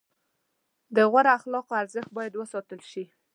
د غوره اخلاقو ارزښت باید وساتل شي.